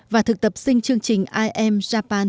và thực tập sinh chương trình i am japan